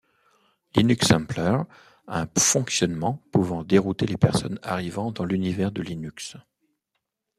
LinuxSampler a un fonctionnement pouvant dérouter les personnes arrivant dans l'univers de Linux.